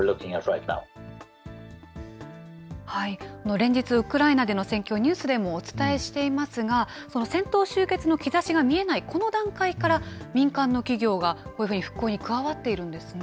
連日、ウクライナでの戦況、ニュースでもお伝えしていますが、戦闘終結の兆しが見えないこの段階から、民間の企業がこういうふうに復興に加わっているんですね。